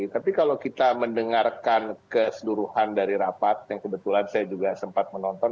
tapi kalau kita mendengarkan keseluruhan dari rapat yang kebetulan saya juga sempat menonton